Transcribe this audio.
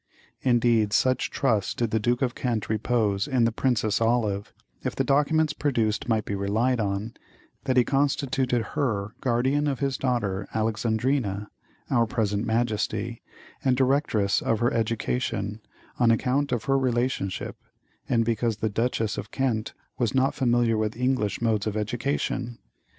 Indeed, such trust did the Duke of Kent repose in the "Princess Olive," if the documents produced might be relied on, that he constituted her guardian of his daughter Alexandrina (our present Majesty), and directress of her education, on account of her relationship, and because the Duchess of Kent was not familiar with English modes of education.